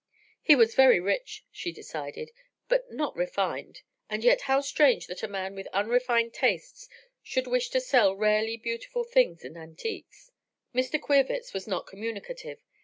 He was very rich, she decided, but not refined, and yet how strange that a man with unrefined tastes should wish to sell rarely beautiful things and antiques. Mr. Queerwitz was not communicative.